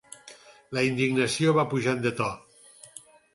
I la indignació va pujant de to.